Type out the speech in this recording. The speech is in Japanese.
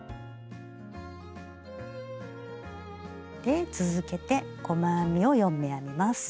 で続けて細編みを４目編みます。